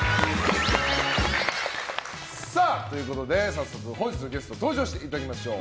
早速本日のゲスト登場していただきましょう。